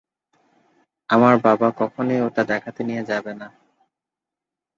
আমার বাবা কখনোই ওটা দেখাতে নিয়ে যাবে না।